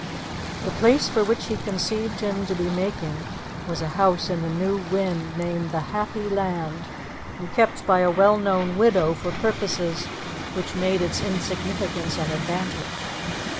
The place for which he conceived him to be making was a house in the New Wynd nicknamed the 'Happy Land,' and kept by a well known widow for purposes which made its insignificance an advantage.